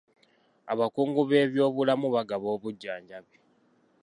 Abakungu b'ebyobulamu bagaba obujjanjabi.